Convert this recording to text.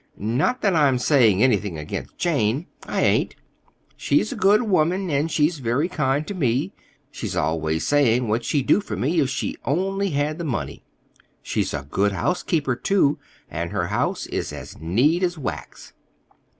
Not that I'm saying anything against Jane. I ain't. She's a good woman, and she's very kind to me. She's always saying what she'd do for me if she only had the money. She's a good housekeeper, too, and her house is as neat as wax.